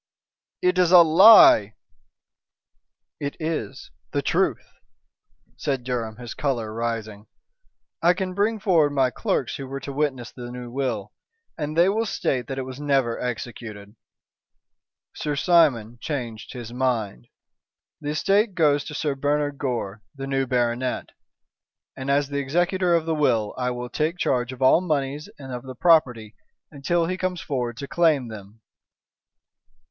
"It is a lie!" "It is the truth," said Durham, his color rising. "I can bring forward my clerks who were to witness the new will, and they will state that it was never executed. Sir Simon changed his mind. The estate goes to Sir Bernard Gore, the new baronet, and as the executor of the will, I will take charge of all monies and of the property until he comes forward to claim them."